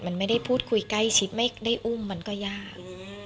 มันไม่ได้พูดคุยใกล้ชิดไม่ได้อุ้มมันก็ยาก